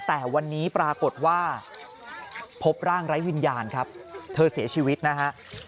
แต่วันนี้ปรากฏว่าพบร่างไร้วิญญาณครับเธอเสียชีวิตนะฮะ